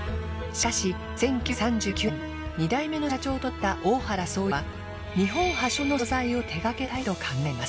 しかし１９３９年二代目の社長となった大原總一郎は日本発祥の素材を手がけたいと考えます。